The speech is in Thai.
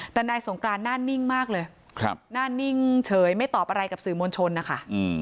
แต่นายสงกรานหน้านิ่งมากเลยหน้านิ่งเฉยไม่ตอบอะไรกับสื่อมวลชนนะคะ